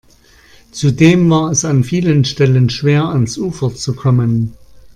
Zudem war es an vielen Stellen schwer, ans Ufer zu kommen.